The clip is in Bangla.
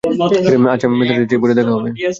আচ্ছা, আমি ম্যাথলেটে যাচ্ছি, পরে দেখা হবে!